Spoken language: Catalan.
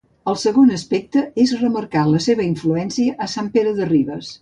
El segon aspecte és remarcar la seva influència a Sant Pere de Ribes.